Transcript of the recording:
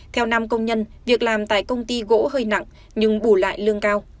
theo năm công nhân việc làm tại công ty gỗ hơi nặng nhưng bù lại lương cao